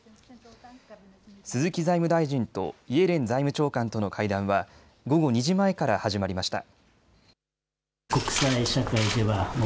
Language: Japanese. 鈴木財務大臣とイエレン財務長官との会談は午後２時前から始まりました。